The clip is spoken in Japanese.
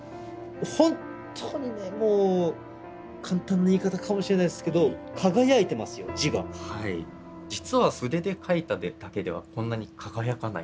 本当にねもう簡単な言い方かもしれないですけど実は筆で書いただけではこんなに輝かないんです。